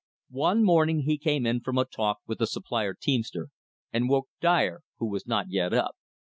One morning he came in from a talk with the supply teamster, and woke Dyer, who was not yet up.